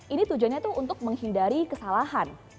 ini tujuannya tuh untuk menghindari kesalahan